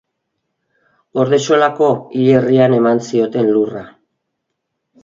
Gordexolako hilerrian eman zioten lurra.